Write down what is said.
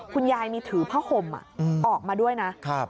คุณยายนี่ถือผ้าห่มออกมาด้วยนะ